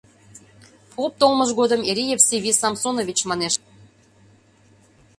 Поп толмыж годым эре «Евсевий Самсонович» манеш ыле...